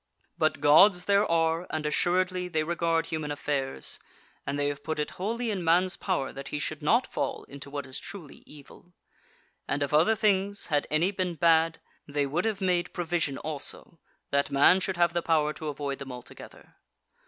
But Gods there are, and assuredly they regard human affairs; and they have put it wholly in man's power that he should not fall into what is truly evil. And of other things, had any been bad, they would have made provision also that man should have the power to avoid them altogether.